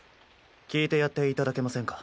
聞いてやっていただけませんか？